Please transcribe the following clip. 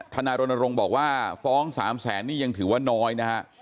นายรณรงค์บอกว่าฟ้อง๓แสนนี่ยังถือว่าน้อยนะฮะ